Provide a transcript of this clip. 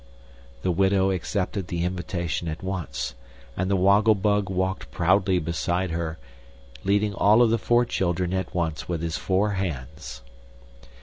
The widow accepted the invitation at once, and the Woggle Bug walked proudly beside her, leading all of the four children at once with his four hands.